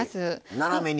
斜めに。